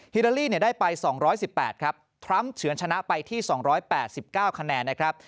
ลาลีได้ไป๒๑๘ครับทรัมป์เฉือนชนะไปที่๒๘๙คะแนนนะครับ